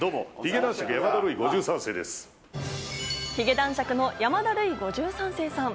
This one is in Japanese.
髭男爵の山田ルイ５３世さん。